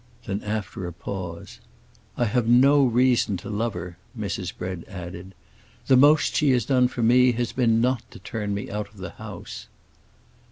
Then, after a pause, "I have no reason to love her!" Mrs. Bread added. "The most she has done for me has been not to turn me out of the house."